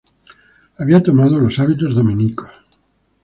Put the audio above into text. Había tomado los hábitos dominicos.